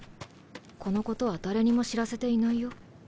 このことは誰にも知らせていないよ。